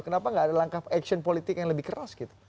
kenapa tidak ada langkah action politik yang lebih keras